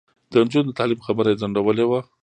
د نجونو د تعلیم خبره یې ځنډولې وه.